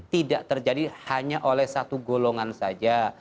tidak terjadi hanya oleh satu golongan saja